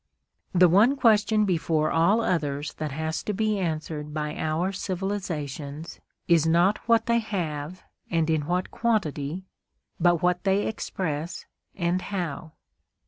The one question before all others that has to be answered by our civilisations is not what they have and in what quantity, but what they express and how.